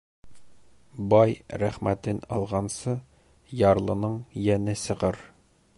Бай рәхмәтен алғансы, ярлының йәне сығыр.